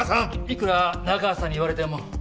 いくら中川さんに言われても。